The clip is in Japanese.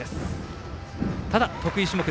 ただ、得意種目。